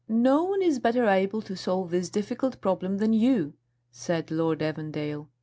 "No one is better able to solve this difficult problem than you," said Lord Evandale.